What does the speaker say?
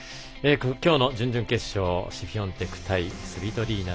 今日の準々決勝シフィオンテク対スビトリーナ。